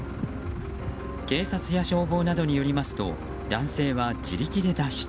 警察や消防などによりますと男性は自力で脱出。